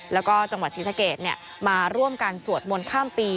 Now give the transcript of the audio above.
แล้วก็จังหวัดศิษย์เกตเนี่ยมาร่วมกันสวดมนต์ข้ามปี